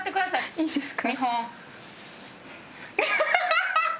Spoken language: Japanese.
いいですか？